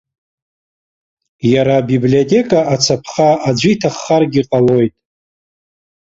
Иара абиблиотека ацаԥха аӡәы иҭаххаргьы ҟалоит.